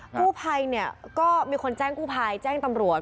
กู้ภัยเนี่ยก็มีคนแจ้งกู้ภัยแจ้งตำรวจ